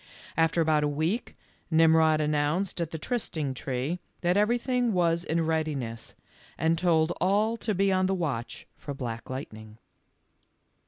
After about a week, Ximrod announced at the trysting tree that everything was in readi ness, and told all to be on the watch for Black Lightning.